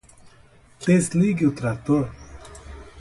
Desligue o trator